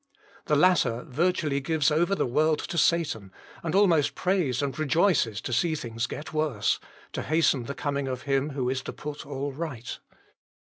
The latter virtually gives over the world to Satan, and almost prays and rejoices to see things get worse, to hasten the coming of Him who is to put all right.